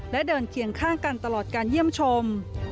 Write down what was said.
และเดินเคียงข้างกันตลอดการเยี่ยมชม